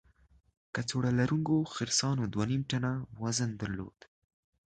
کڅوړه لرونکو خرسانو دوه نیم ټنه وزن درلود.